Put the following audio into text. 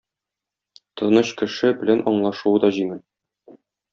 Тыныч кеше белән аңлашуы да җиңел.